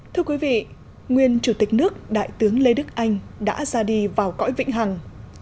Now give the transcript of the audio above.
thưa quý vị nguyên chủ tịch nước đại tướng lê đức anh đã ra đi vào cõi vĩnh hằng